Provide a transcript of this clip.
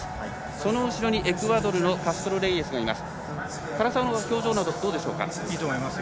その後ろにエクアドルのカストロレイエスがいます。